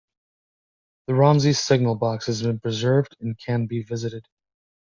The Romsey Signal Box has been preserved and can be visited.